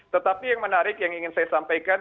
tetapi yang menarik yang ingin saya sampaikan